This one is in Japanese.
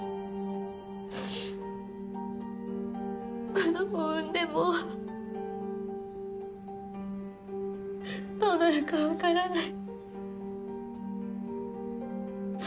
この子を産んでもどうなるか分からない。